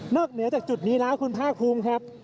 เหนือจากจุดนี้แล้วคุณภาคภูมิครับ